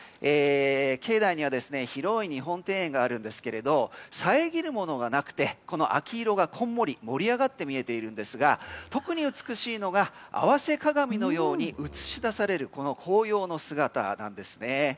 境内には広い日本庭園があるんですが遮るものがなくてこの秋色がこんもり盛り上がって見えているんですが特に美しいのが合わせ鏡のように映し出されるこの紅葉の姿なんですね。